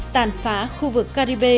tàn phá khu vực caribe